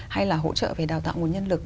hay là hỗ trợ về đào tạo nguồn nhân lực